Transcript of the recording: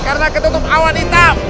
karena ketutup awan hitam